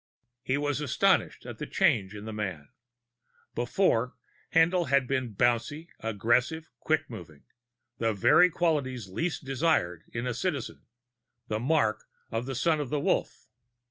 He was astonished at the change in the man. Before, Haendl had been bouncy, aggressive, quick moving the very qualities least desired in a Citizen, the mark of the Son of the Wolf.